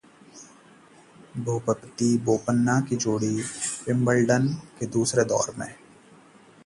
भूपति-बोपन्ना की जोड़ी विंबलडन के दूसरे दौर में